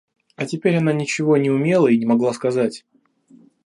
А теперь она ничего не умела и не могла сказать.